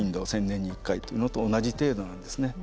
１，０００年に１回というのと同じ程度なんですね。